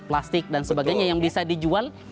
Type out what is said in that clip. plastik dan sebagainya yang bisa dijual